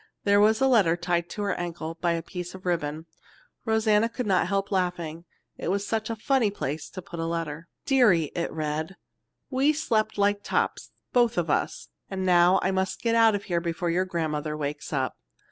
There was a letter tied to her ankle by a piece of ribbon. Rosanna could not help laughing, it was such a funny place to put a letter. "Dearie," it read, "we slept like tops both of us, and now I must get out of here before your grandmother wakes up.